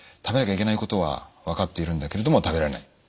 食べなきゃいけないことは分かっているんだけれども食べられない。